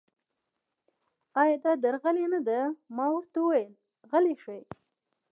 ایا دا درغلي نه ده؟ ما ورته وویل: غلي شئ.